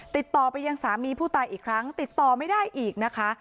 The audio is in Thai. ติดต่อไปยังสามีผู้ตายอีกครั้งติดต่อไม่ได้อีกนะคะ